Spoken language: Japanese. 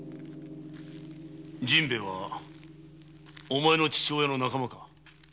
陣兵衛はお前の父親の仲間か？